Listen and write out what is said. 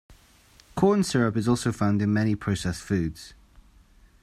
Corn syrup is also found in many processed foods.